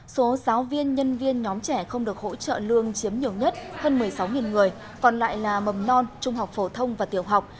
số giáo viên nhân viên nhóm trẻ không được hỗ trợ lương chiếm nhiều nhất hơn một mươi sáu người còn lại là mầm non trung học phổ thông và tiểu học